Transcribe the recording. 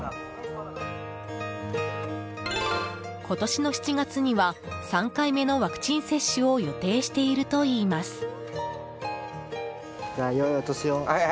今年の７月には３回目のワクチン接種を予定しているといいます。